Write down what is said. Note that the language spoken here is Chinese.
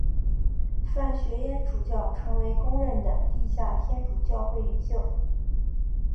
范学淹主教成为公认的地下天主教会领袖。